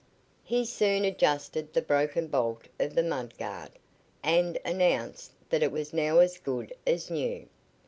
He soon adjusted the broken bolt of the mud guard, and announced that it was now as good as new.